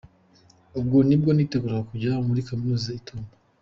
Ubu nibwo yitegura kujya muri Kaminuza i Tumba.